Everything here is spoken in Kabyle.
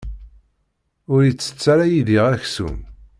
Ur itett ara Yidir aksum.